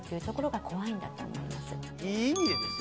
いい意味でですよ。